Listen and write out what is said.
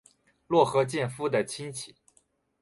落合建夫的亲戚。